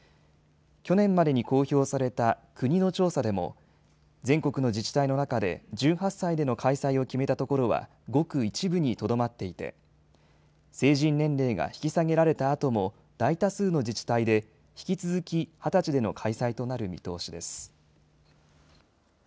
去年までに公表された国の調査でも、全国の自治体の中で１８歳での開催を決めたところはごく一部にとどまっていて、成人年齢が引き下げられたあとも大多数の自治体で引き続き２０歳での開催となる見通しです。